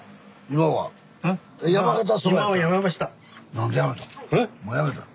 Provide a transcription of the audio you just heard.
何で辞めたん？